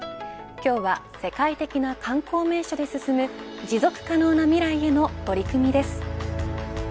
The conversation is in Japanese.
今日は、世界的な観光名所で進む持続可能な未来への取り組みです。